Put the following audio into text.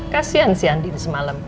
kasian si andin semalam